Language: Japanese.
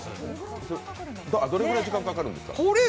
どれぐらい時間かかるんですか？